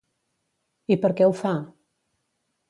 I per què ho fa?